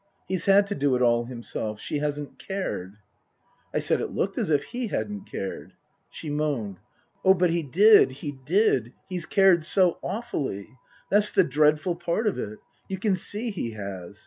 He's had to do it all himself. She hasn't cared" I said it looked as if he hadn't cared. She moaned, " Oh, but he did he did. He's cared so awfully. That's the dreadful part of it. You can see he has.